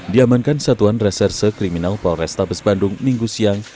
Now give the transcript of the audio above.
diamankan satuan reserse kriminal polrestabes bandung minggu siang